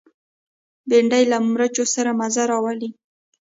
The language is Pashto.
بېنډۍ له مرچو سره مزه راولي